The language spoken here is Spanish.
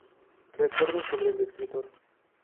Recuerdos sobre el escritor".